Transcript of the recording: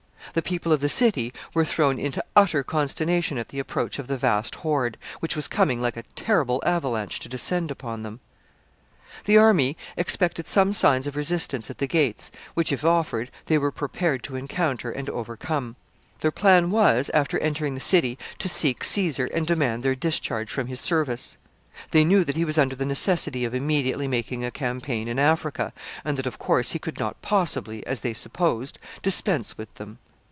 The people of the city were thrown into utter consternation at the approach of the vast horde, which was coming like a terrible avalanche to descend upon them. [Sidenote: Plan of the soldiers.] The army expected some signs of resistance at the gates, which, if offered, they were prepared to encounter and overcome. Their plan was, after entering the city, to seek Caesar and demand their discharge from his service. They knew that he was under the necessity of immediately making a campaign in Africa, and that, of course, he could not possibly, as they supposed, dispense with them.